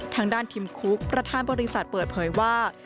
ทางด้านทิมคุกประธานบริษัทเปิดเผยว่า